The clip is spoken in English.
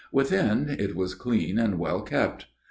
Within, it was clean and well kept.